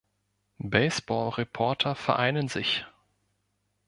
Baseball-Reporter vereinen sich.